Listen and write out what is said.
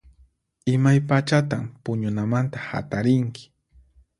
Imaypachatan puñunamanta hatarinki?